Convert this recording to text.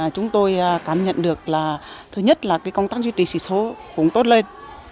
chúng tôi cảm nhận được là thứ nhất là công tác duy trì sỉ số cũng tốt lên